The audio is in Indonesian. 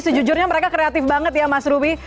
sejujurnya mereka kreatif banget ya mas ruby